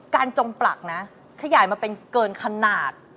จงปลักนะขยายมาเป็นเกินขนาด